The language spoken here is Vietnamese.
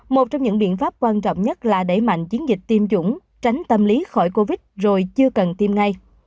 một trong những biện pháp quan trọng nhất là đẩy mạnh chiến dịch tiêm chủng tránh tâm lý khỏi covid rồi chưa cần tiêm ngay